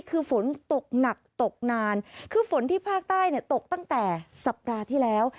คือฝนตกหนักตกนานคือฝนที่ภาคใต้เนี่ยตกตั้งแต่สัปดาห์ที่แล้ว